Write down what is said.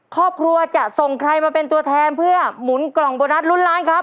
ครอบครัวจะส่งใครมาเป็นตัวแทนเพื่อหมุนกล่องโบนัสลุ้นล้านครับ